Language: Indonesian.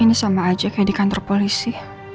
ini sama aja kayak di kantor polisi